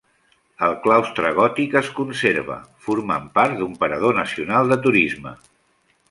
El claustre gòtic es conserva, formant part d'un parador nacional de turisme.